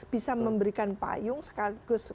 bisa memberikan payung sekagus